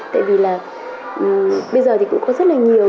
tại vì là bây giờ thì cũng có rất là nhiều